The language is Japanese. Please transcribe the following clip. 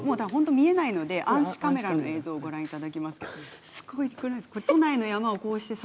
見えないので暗視カメラの映像をご覧いただきます。